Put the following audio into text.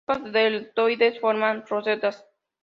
Las hojas deltoides forman rosetas.